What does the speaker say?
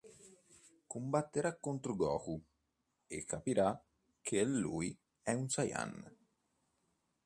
Combatterà contro Goku, e capirà che lui è un Saiyan.